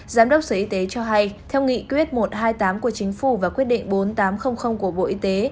giám đốc sở y tế cho hay theo nghị quyết một trăm hai mươi tám của chính phủ và quyết định bốn nghìn tám trăm linh của bộ y tế